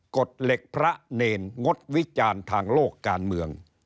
กฎเหล็กพระเนรงดวิจารณ์ทางโลกการเมือง